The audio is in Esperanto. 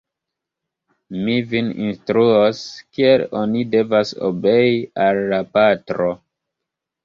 Mi vin instruos, kiel oni devas obei al la patro!